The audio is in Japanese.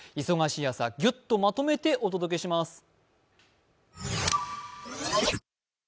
忙しい朝、ぎゅっとまとめてお届けします。